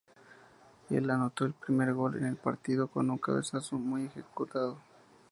Él anotó el primer gol en el partido con un cabezazo muy bien ejecutado.